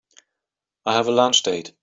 I have a lunch date.